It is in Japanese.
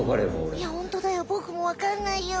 いやホントだよボクも分かんないよ。